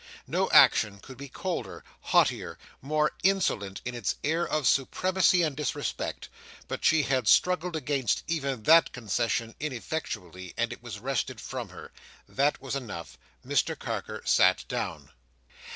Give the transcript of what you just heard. No action could be colder, haughtier, more insolent in its air of supremacy and disrespect, but she had struggled against even that concession ineffectually, and it was wrested from her. That was enough! Mr Carker sat down.